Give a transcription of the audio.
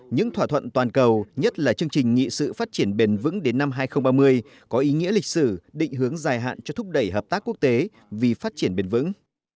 những thỏa thuận toàn cầu nhất là chương trình nghị sự phát triển bền vững đến năm hai nghìn ba mươi có ý nghĩa lịch sử định hướng dài hạn cho thúc đẩy hợp tác quốc tế vì phát triển bền vững